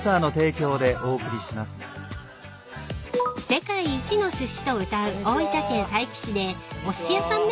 ［世界一のすしとうたう大分県佐伯市でおすし屋さん